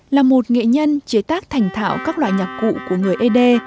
là một nghệ nhân chế tác thành thạo các loại nhạc cụ của người ế đê